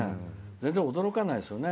全然驚かないですよね。